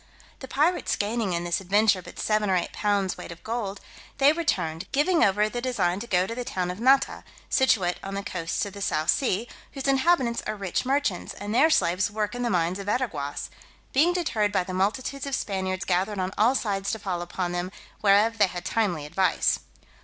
The pirates gaining in this adventure but seven or eight pounds weight of gold, they returned, giving over the design to go to the town of Nata, situate on the coasts of the South Sea, whose inhabitants are rich merchants, and their slaves work in the mines of Veraguas; being deterred by the multitudes of Spaniards gathered on all sides to fall upon them, whereof they had timely advice.